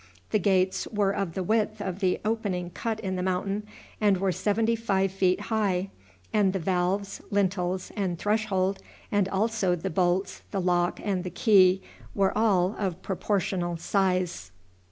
The gates were of the width of the opening cut in the mountain, and were seventy five feet high; and the valves, lintels, and threshold, and also the bolts, the lock, and the key, were all of proportional size.